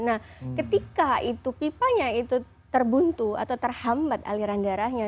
nah ketika itu pipanya itu terbuntu atau terhambat aliran darahnya